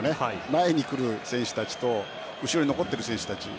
前に来る選手たちと後ろに残っている選手たちが。